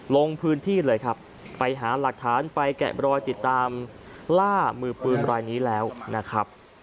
ลงพื้นที่เลยครับไปหาหลักฐานไปแกะบรอยติดตามล่ามือปืนรายนี้แล้วนะครับ